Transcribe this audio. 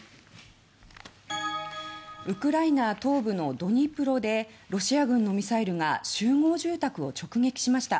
ウクライナ東部のドニプロでロシア軍のミサイルが集合住宅を直撃しました。